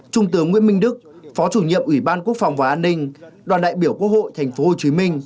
trung tướng nguyễn minh đức phó chủ nhiệm ủy ban quốc phòng và an ninh đoàn đại biểu quốc hội tp hcm